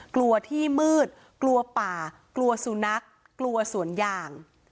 กลัวที่มืดกลัวป่ากลัวสุนัขกลัวสวนยาง